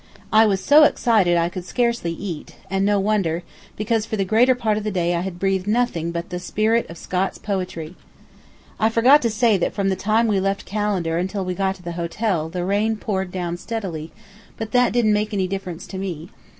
I was so excited I could scarcely eat, and no wonder, because for the greater part of the day I had breathed nothing but the spirit of Scott's poetry. I forgot to say that from the time we left Callander until we got to the hotel the rain poured down steadily, but that didn't make any difference to me.